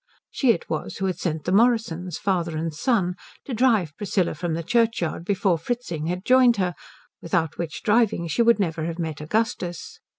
She it was who had sent the Morrisons, father and son, to drive Priscilla from the churchyard before Fritzing had joined her, without which driving she would never have met Augustus.